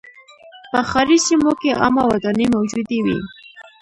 په ښاري سیمو کې عامه ودانۍ موجودې وې.